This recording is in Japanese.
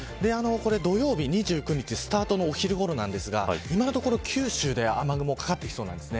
土曜日２９日スタートのお昼ごろなんですが今のところ、九州で雨雲がかかってきそうです。